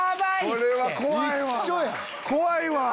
これは怖いわ。